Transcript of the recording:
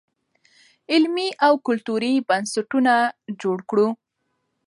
علمي او کلتوري بنسټونه جوړ کړو.